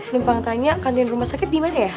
lupa ngetanya kantin rumah sakit dimana ya